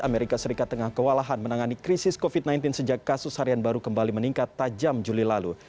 amerika serikat tengah kewalahan menangani krisis covid sembilan belas sejak kasus harian baru kembali meningkat tajam juli lalu